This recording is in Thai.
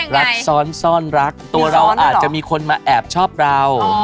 รักซ้อนซ่อนรักตัวเราอาจจะมีคนมาแอบชอบเรา